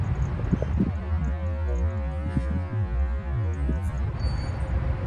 禁止这些组织在哈萨克斯坦进行活动是一种预防措施。